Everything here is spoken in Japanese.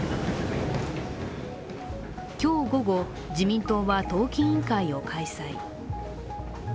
今日午後、自民党は党規委員会を開催。